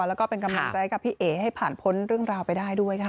แล้วก็เป็นกำลังใจกับพี่เอ๋ให้ผ่านพ้นเรื่องราวไปได้ด้วยค่ะ